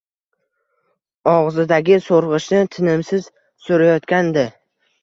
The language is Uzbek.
Og‘zidagi so‘rg‘ichni tinimsiz so‘rayotgandi.